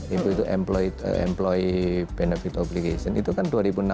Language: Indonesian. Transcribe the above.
ebo itu employee benefit obligation itu kan dua ribu enam belas empat puluh empat